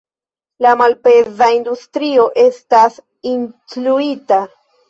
La malpeza industrio estas incluita?